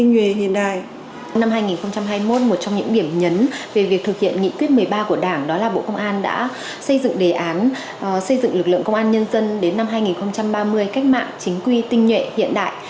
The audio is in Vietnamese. tuy nhiên hiện nay một trong những điểm nhấn về việc thực hiện nghị quyết một mươi ba của đảng đó là bộ công an đã xây dựng đề án xây dựng lực lượng công an nhân dân đến năm hai nghìn ba mươi cách mạng chính quy tinh nhuệ hiện đại